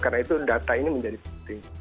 karena itu data ini menjadi penting